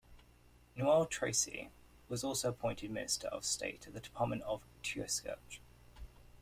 Noel Treacy was also appointed Minister of State at the Department of the Taoiseach.